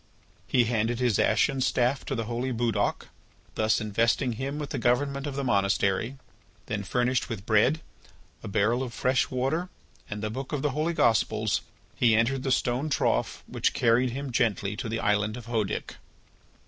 He handed his ashen staff to the holy Budoc, thus investing him with the government of the monastery. Then, furnished with bread, a barrel of fresh water, and the book of the Holy Gospels, he entered the stone trough which carried him gently to the island of Hœdic.